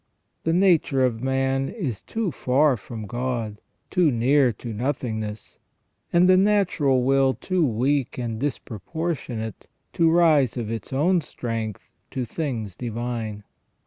The nature of man is too far from God, too near to nothingness^ and the natural will too weak and dispropor tionate, to rise of its own strength to things divine.